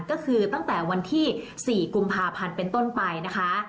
ก็คือตั้งแต่วันที่๔กุมภาพันธ์เป็นต้นไปนะคะ